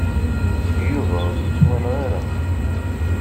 Yuba ur yettwanɣa ara.